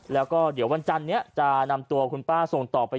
แล้วก็เดี๋ยววันจันนี้จะนำตัวคุณป้าส่งต่อไป